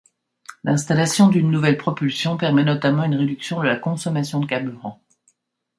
L'installation d'une nouvelle propulsion permet notamment une réduction de la consommation de carburant.